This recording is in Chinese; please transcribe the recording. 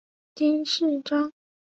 金饰章。